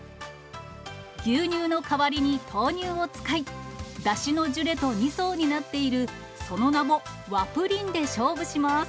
牛乳の代わりに豆乳を使い、だしのジュレと２層になっている、その名も、和ぷりんで勝負します。